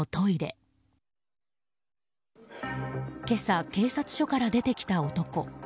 今朝、警察署から出てきた男。